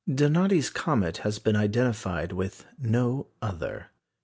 Donati's comet has been identified with no other.